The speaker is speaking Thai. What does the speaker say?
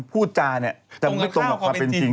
พูดจาเนี่ยจะไม่ตรงกับความเป็นจริง